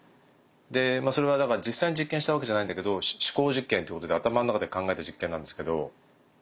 でそれはだから実際に実験したわけじゃないんだけど思考実験ということで頭の中で考えた実験なんですけどで